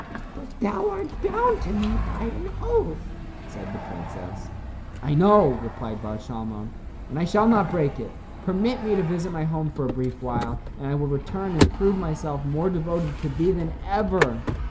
"But thou art bound to me by an oath," said the princess. "I know," replied Bar Shalmon, "and I shall not break it. Permit me to visit my home for a brief while, and I will return and prove myself more devoted to thee than ever."